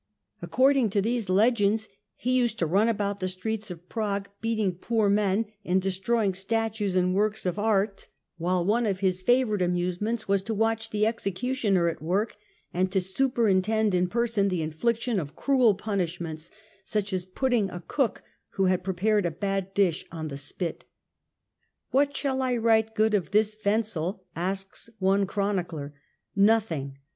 According to these legends, he used to run about the streets of Prague, beating poor men and destroying statues and works of art ; whilst one SCHISMS IN THE PAPACY AND EMPIRE 125 of his favourite amusements was to watch the execu tioner at work and to superintend in person the infliction of cruel punishments, such as putting a cook who had prepared a bad dish on the spit. "What shall I write good of this Wenzel?" asks one Chronicler, "nothing.